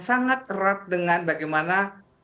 sangat erat dengan bagaimana